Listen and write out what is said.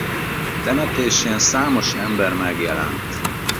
Temetésén számos ember megjelent.